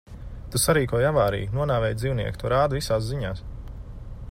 Tu sarīkoji avāriju, nonāvēji dzīvnieku. To rāda visās ziņās.